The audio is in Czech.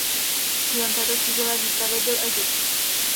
Cílem této křížové výpravy byl Egypt.